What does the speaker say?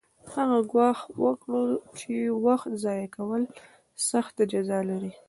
هغه ګواښ وکړ چې د وخت ضایع کول سخته جزا لري